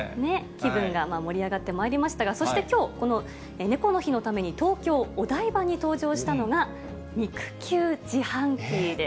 気分が盛り上がってまいりましたが、そしてきょう、猫の日のために東京・お台場に登場したのが、肉球自販機です。